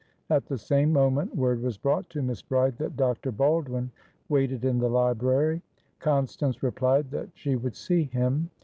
At the same moment, word was brought to Miss Bride that Dr. Baldwin waited in the library. Constance replied that she would see him.